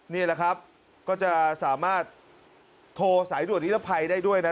นี่แหละครับก็จะสามารถโทรสายด่วนนิรภัยได้ด้วยนะ